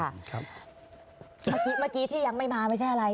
เมื่อกี้ที่ยังไม่มาไม่ใช่อะไร